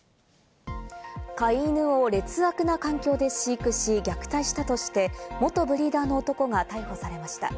飼い犬を劣悪な環境で飼育し虐待したとして、元ブリーダーの男が逮捕されました。